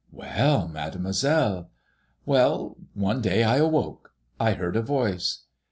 « Well, Mademoiselle !" "Well, one day I awoke. I heard a voice."